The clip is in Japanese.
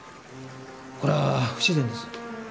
これは不自然です。